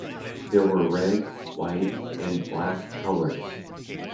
There were red, white and black Hellers.